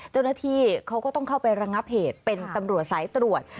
เจ้าหน้าที่เขาก็ต้องเข้าไประงับเหตุเป็นตำรวจสายตรวจ